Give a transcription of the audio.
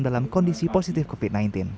dalam kondisi positif covid sembilan belas